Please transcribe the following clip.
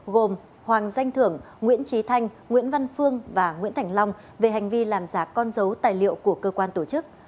gồm hoàng danh thưởng nguyễn trí thanh nguyễn văn phương và nguyễn thành long về hành vi làm giả con dấu tài liệu của cơ quan tổ chức